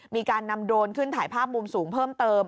มีการนำโดรนขึ้นถ่ายภาพมุมสูงเพิ่มเติม